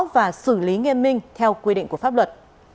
và xử lý nghiêm minh theo quy định của pháp luật